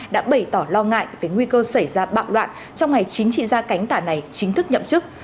đã bày tỏ lo ngại về nguy cơ xảy ra bạo loạn trong ngày chính trị gia cánh tả này chính thức nhậm chức